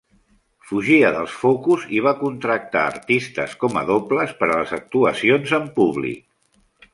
Fugia dels focus i va contractar artistes com a dobles per a les actuacions en públic.